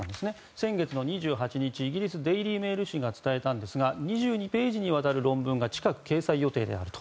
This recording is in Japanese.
先月２８日、イギリスデイリー・メール紙が伝えたんですが２２ページにわたる論文が近く掲載予定であると。